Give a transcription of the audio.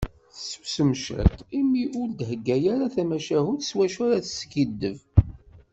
Tessusem ciṭ imi ur d-thegga ara tamacahut s wacu ara teskiddeb.